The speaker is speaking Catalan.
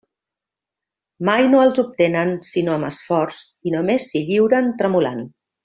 Mai no els obtenen sinó amb esforç i només s'hi lliuren tremolant.